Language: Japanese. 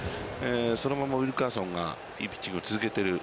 そのままウィルカーソンがいいピッチングを続けている。